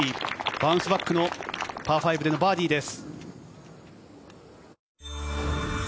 バウンスバックのパー５でのバーディーです。